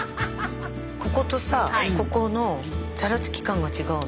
こことさここのザラつき感が違うの。